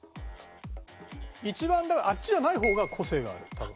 一番だからあっちじゃない方が個性がある多分。